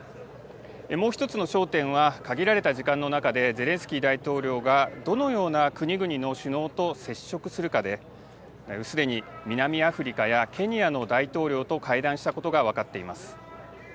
もう１つの焦点は、限られた時間の中で、ゼレンスキー大統領がどのような国々の首脳と接触するかで、すでに南アフリカやケニアの大統領と会談したことが分かっています。